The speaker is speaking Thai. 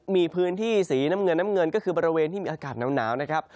มีพื้นที่สีน้ำเงินน้ำเงินก็คือบริเวณที่มีอากาศหนาวนะครับ